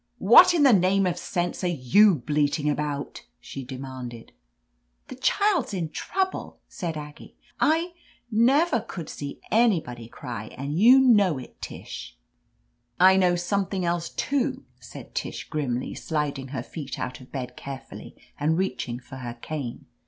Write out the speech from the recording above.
".What in the name of sense are you bleating, about?' she demanded. "The child's in trouble, said Aggie. "I— I never could see anybody cry, and you kno^ it, Tish," r' 29 /.^ i: THE AMAZING ADVENTURES "I know something else, too," said Tish grimly, sliding her feet out of bed carefully; and reaching for her cane.